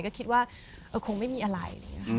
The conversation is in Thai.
ก็คิดว่าคงไม่มีอะไร